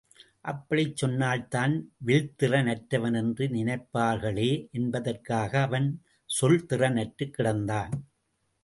அப்படிச் சொன்னால் தான் வில்திறன் அற்றவன் என்று நினைப்பார்களே என்பதற்காக அவன் சொல்திறன் அற்றுக் கிடந்தான்.